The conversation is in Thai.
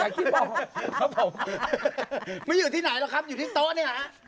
อยากคิดเปล่าไม่อยู่ที่ไหนหรอกครับอยู่ที่โต๊ะนี่นะครับ